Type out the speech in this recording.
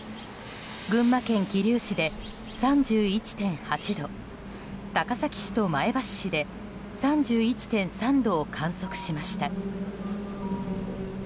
群馬県桐生市で３１．８度高崎市と前橋市で３１．３度を観測しました。